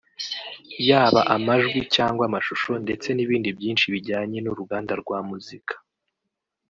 yaba amajwi cyangwa amashusho ndetse n’ibindi byinshi bijyanye n’uruganda rwa muzika